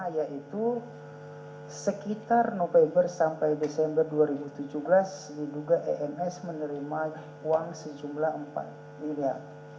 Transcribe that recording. yaitu sekitar november sampai desember dua ribu tujuh belas diduga ems menerima uang sejumlah empat miliar